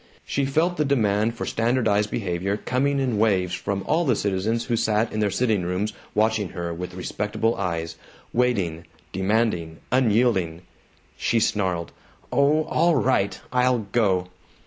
She felt the demand for standardized behavior coming in waves from all the citizens who sat in their sitting rooms watching her with respectable eyes, waiting, demanding, unyielding. She snarled, "Oh, all right, I'll go!"